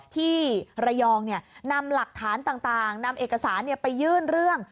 ที่ระยองนำหลักฐานต่างนำเอกสารไปยื่นเรื่อง